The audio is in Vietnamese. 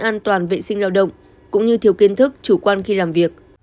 an toàn vệ sinh lao động cũng như thiếu kiến thức chủ quan khi làm việc